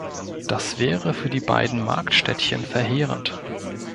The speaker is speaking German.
Das wäre für die beiden Marktstädtchen verheerend.